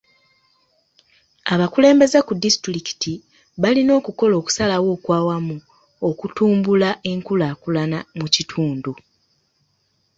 Abakulembeze ku disitulikiti balina okukola okusalawo okw'awamu okutumbula enkulaakulana mu kitundu.